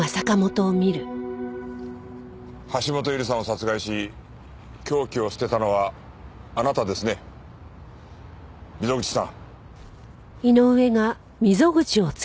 橋本優里さんを殺害し凶器を捨てたのはあなたですね溝口さん。